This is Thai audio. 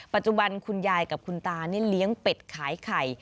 ปัจจุบันคุณยายกับคุณตานี่เลี้ยงเป็ดขายไข่